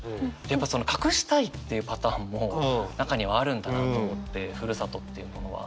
やっぱ隠したいっていうパターンも中にはあるんだなと思ってふるさとっていうものは。